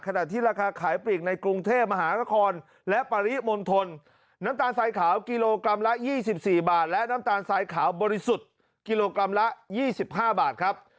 ขณะที่ราคาขายปลีกในกรุงเทพมหานครและปริมณฑลน้ำตาลทรายขาวกิโลกรัมละ๒๔บาทและน้ำตาลทรายขาวบริสุทธิ์กิโลกรัมละ๒๕บาทครับ